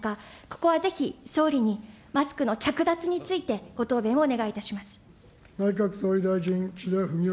ここはぜひ、総理にマスクの着脱についてご答弁をお願いいたします。